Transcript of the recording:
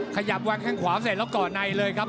ขยับวางแข้งขวาเสร็จแล้วเกาะในเลยครับ